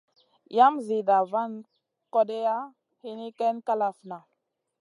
Yam zida van kodeya hini ken ma kalafna.